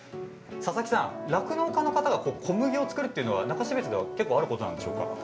佐々木さん、酪農の方が小麦を作るというのは中標津では結構あることなんでしょうか。